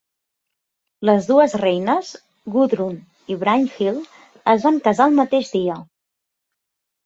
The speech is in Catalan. Les dues reines, Gudrun i Brynhild, es van casar el mateix dia.